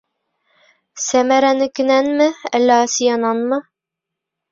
Сәмәрәнекенәнме, әллә Асиянанмы?